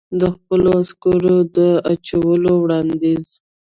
د خپلو عسکرو د اچولو وړاندیز.